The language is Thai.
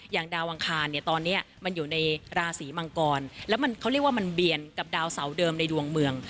ดาวอังคารเนี่ยตอนนี้มันอยู่ในราศีมังกรแล้วมันเขาเรียกว่ามันเบียนกับดาวเสาเดิมในดวงเมือง